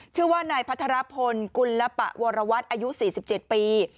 ชื่อว่านายพัทรพลกุลปะวรวัตรอายุ๔๗ปี